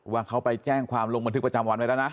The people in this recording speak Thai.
ว่าเขาไปแจ้งความลงบันทึกประจำวันไว้แล้วนะ